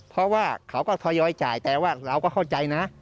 เพราะว่าเขาก็ทยอยจ่ายแต่ว่าเราก็เข้าใจนะ